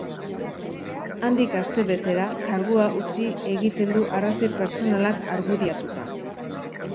Handik astebetera, kargua utzi egiten du arrazoi pertsonalak argudiatuta.